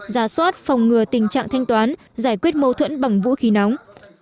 giả soát phòng ngừa tình trạng thanh toán giải quyết mâu thuẫn bằng vũ khí nóng